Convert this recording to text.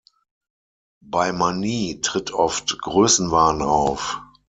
Bei Manie tritt oft Größenwahn auf.